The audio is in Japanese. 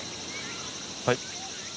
はい。